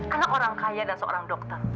karena orang kaya dan seorang dokter